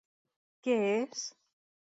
Què es?